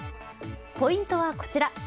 ポイントはこちら。